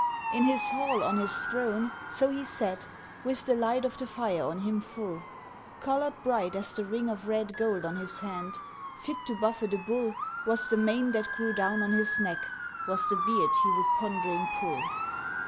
In his hall, on his throne, so he sat, with the light of the fire on him full: Colored bright as the ring of red gold on his hand, fit to buffet a bull, Was the mane that grew down on his neck, was the beard he would pondering pull.